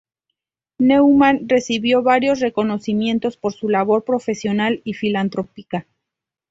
Newman recibió varios reconocimientos por su labor profesional y filantrópica.